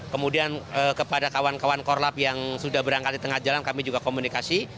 kemudian kepada kawan kawan korlap yang sudah berangkat di tengah jalan kami juga komunikasi